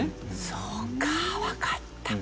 そうかわかった。